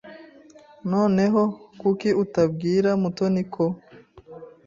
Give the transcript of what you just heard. Noneho kuki utabwira Mutoni ko?